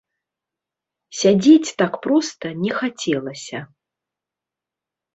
Сядзець так проста не хацелася.